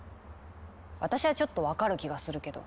私はちょっと分かる気がするけど。